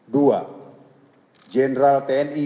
dua jenderal tni